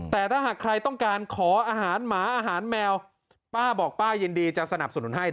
แต่ถ้าหากใครต้องการขออาหารหมาอาหารแมวป้าบอกป้ายินดีจะสนับสนุนให้